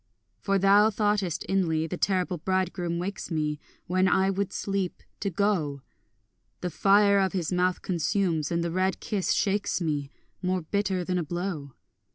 For thou thoughtest inly, the terrible bridegroom wakes me, When I would sleep, to go; The fire of his mouth consumes, and the red kiss shakes me, More bitter than a blow.